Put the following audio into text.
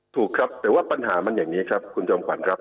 ถูกครับแต่ว่าปัญหามันอย่างนี้ครับคุณจอมขวัญครับ